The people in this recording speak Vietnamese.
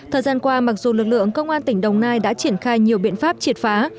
thời gian qua mặc dù lực lượng công an tỉnh đồng nai đã triển khai nhiều biện pháp triệt phá